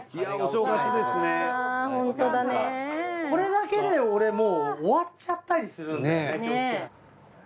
これだけで俺もう終わっちゃったりする。